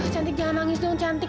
cantik jangan nangis jangan cantik